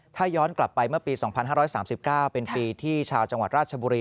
ถ้าย้อนกลับไปเมื่อปีสองพันห้าร้อยสามสิบเก้าเป็นปีที่ชาวจังหวัดราชบุรี